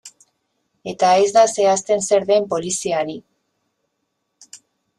Eta ez da zehazten zer den poliziari.